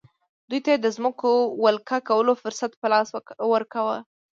دوی ته یې د ځمکو د ولکه کولو فرصت په لاس ورکاوه.